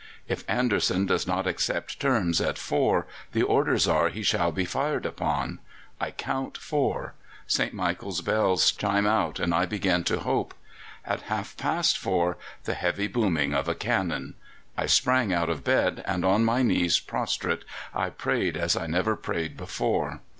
If Anderson does not accept terms at four the orders are he shall be fired upon. I count four. St. Michael's bells chime out, and I begin to hope. At half past four the heavy booming of a cannon! I sprang out of bed, and on my knees prostrate I prayed as I never prayed before.